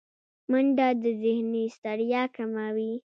منډه د ذهني ستړیا کموي